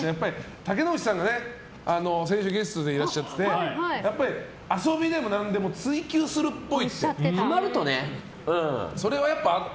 竹野内さんが先週ゲストでいらっしゃってて遊びでもなんでも追求するっぽいって。